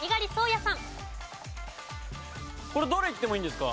これどれいってもいいんですか？